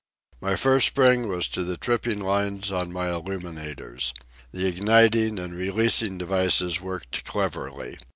My first spring was to the tripping lines on my illuminators. The igniting and releasing devices worked cleverly.